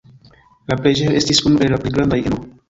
La preĝejo estis unu el la plej grandaj en urbo.